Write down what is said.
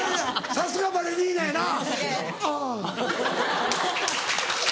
さすがバレリーナやな「あぁ」。